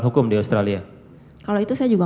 hukum di australia kalau itu saya juga